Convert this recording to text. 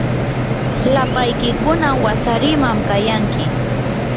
lapaykiykuna wasariman kayanki.